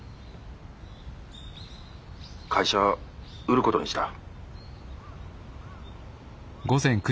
☎会社売ることにした。